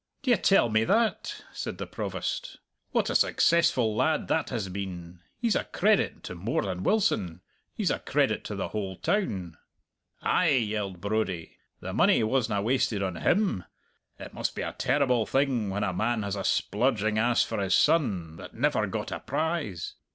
"D'ye tell me that?" said the Provost. "What a successful lad that has been! He's a credit to moar than Wilson; he's a credit to the whole town." "Ay," yelled Brodie; "the money wasna wasted on him! It must be a terrible thing when a man has a splurging ass for his son, that never got a prize!"